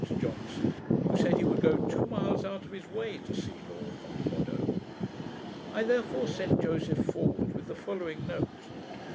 ] I mentioned my doubts to Dr Johnson, who said, he would go two miles out of his way to see Lord Monboddo. I therefore sent Joseph forward, with the following note.